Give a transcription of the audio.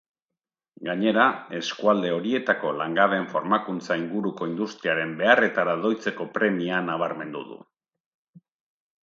Gainera, eskualde horietako langabeen formakuntza inguruko industriaren beharretara doitzeko premia nabarmendu du.